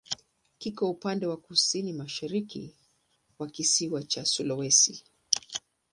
Kiko upande wa kusini-mashariki wa kisiwa cha Sulawesi.